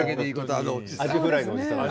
アジフライのおじさんね。